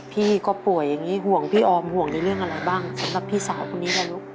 พี่ก็ป่วยอย่างนี้ห่วงพี่ออมห่วงในเรื่องอะไรบ้างสำหรับพี่สาวคนนี้ล่ะลูก